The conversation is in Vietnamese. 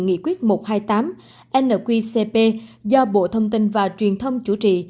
nghị quyết một trăm hai mươi tám nqcp do bộ thông tin và truyền thông chủ trì